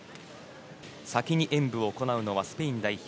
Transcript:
先に演武を行うのはスペイン代表